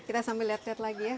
kita sambil lihat lihat lagi ya